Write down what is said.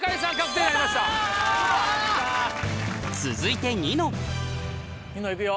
続いてニノいくよ。